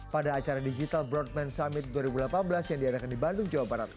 pada acara digital broadman summit dua ribu delapan belas yang diadakan di bandung jawa barat